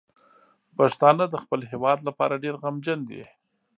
پښتانه د خپل هیواد لپاره ډیر غمجن دي.